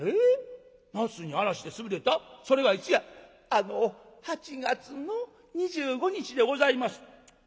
「あの８月の２５日でございます」。